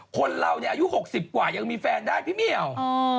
คนเราในอายุหกสิบกว่ายังมีแฟนได้พี่เมียล